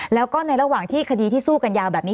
แล้วก็ในระหว่างที่คดีที่สู้กันยาวแบบนี้